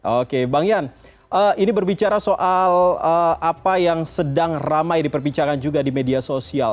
oke bang yan ini berbicara soal apa yang sedang ramai diperbincangkan juga di media sosial